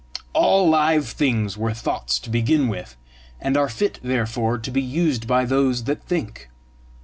All live things were thoughts to begin with, and are fit therefore to be used by those that think.